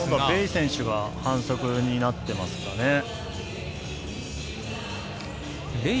ベイ選手が反則になっていますかね。